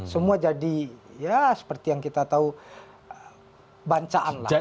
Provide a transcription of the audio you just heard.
semua jadi ya seperti yang kita tahu bancaan lah